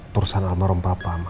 perusahaan almarhum papa ma